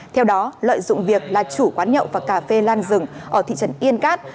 theo đó lợi dụng việc là chủ quán nhậu và cà phê lan dừng ở thị trần yên cát